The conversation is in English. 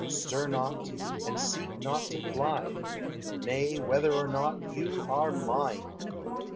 Stir not, and seek not to fly, Nay, whether or not, you are mine!